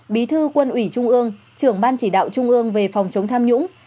bí thư quân ủy trung ương trưởng ban chỉ đạo trung ương về phòng chống tham nhũng